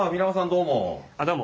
どうも。